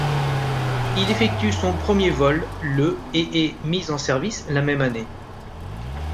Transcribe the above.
Il effectue son premier vol le et est mis en service la même année.